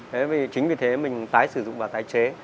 thế vì chính vì thế mình tái sử dụng và tái chế